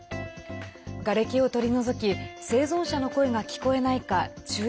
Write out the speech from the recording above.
がれきを取り除き生存者の声が聞こえないか注意